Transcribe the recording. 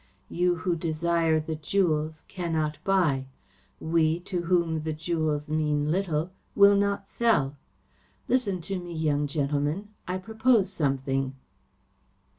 You who desire the jewels cannot buy. We, to whom the jewels mean little, will not sell. Listen to me, young gentleman. I propose something."